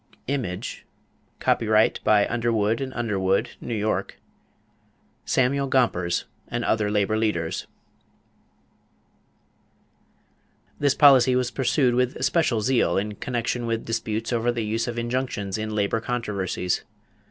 [Illustration: Copyright by Underwood and Underwood, N.Y. SAMUEL GOMPERS AND OTHER LABOR LEADERS] This policy was pursued with especial zeal in connection with disputes over the use of injunctions in labor controversies.